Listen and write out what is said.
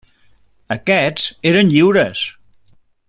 Aquests eren lliures.